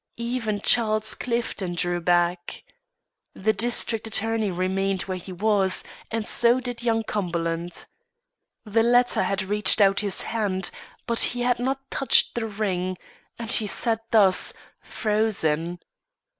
Even Charles Clifton drew back. The district attorney remained where he was, and so did young Cumberland. The latter had reached out his hand, but he had not touched the ring, and he sat thus, frozen.